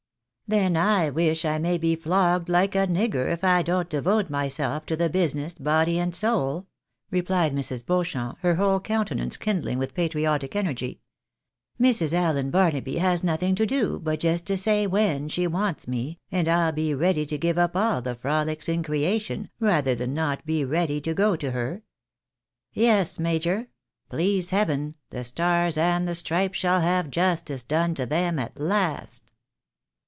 " Then I wish I may be flogged hke a nigger if I don't devote myself to the business, body and soul!" replied Mrs. Beauchamp, her whole countenance kindUng with patriotic energy. "Mrs. Allen Barnaby has nothing to do, but just to say when she wants me, and I'll be ready to give up all the frolics in creation, rather than not be ready to go to her. Yes, major, please Heaven, the Stars and the Stripes shall have justice done to them at last